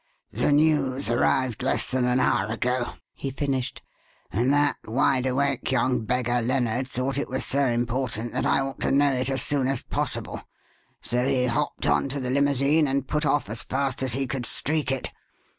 "The news arrived less than an hour ago," he finished, "and that wideawake young beggar, Lennard, thought it was so important that I ought to know it as soon as possible, so he hopped on to the limousine and put off as fast as he could streak it.